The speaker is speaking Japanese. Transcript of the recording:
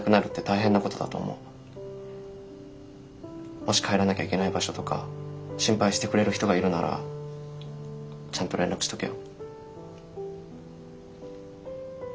もし帰らなきゃいけない場所とか心配してくれる人がいるならちゃんと連絡しとけよ。